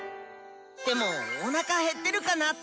でもおなか減ってるかなって。